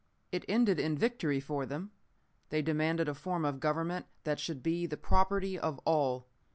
It ended in victory for them. They demanded a form of government that should be the property of all.